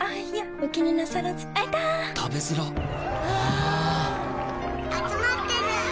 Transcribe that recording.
あつまってるー。